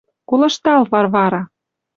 «Колыштал, Варвара